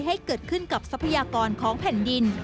ให้เกิดขึ้นกับทรัพยากรของแผ่นดิน